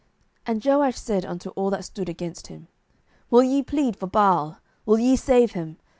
07:006:031 And Joash said unto all that stood against him, Will ye plead for Baal? will ye save him?